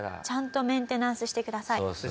ちゃんとメンテナンスしてください。